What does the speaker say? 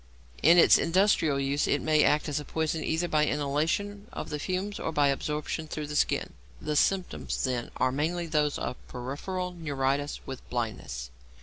In its industrial use it may act as a poison either by inhalation of the fumes or by absorption through the skin. The symptoms then are mainly those of peripheral neuritis with blindness.